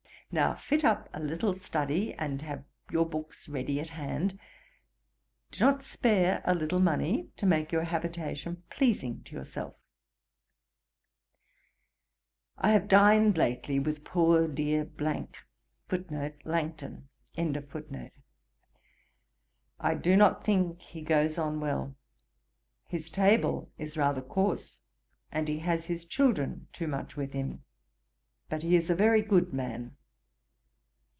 Now fit up a little study, and have your books ready at hand; do not spare a little money, to make your habitation pleasing to yourself. 'I have dined lately with poor dear . I do not think he goes on well. His table is rather coarse, and he has his children too much about him. But he is a very good man.